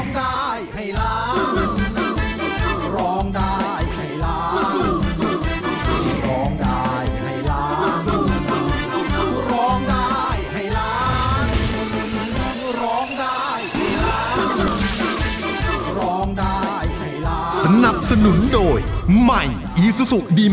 ขอบคุณครับ